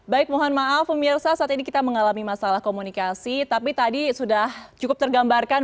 baik mohon maaf pemirsa saat ini kita mengalami masalah komunikasi tapi tadi sudah cukup tergambarkan